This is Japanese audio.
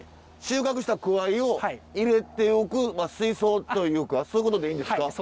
収穫したくわいを入れておく水槽というかそういうことでいいんですか？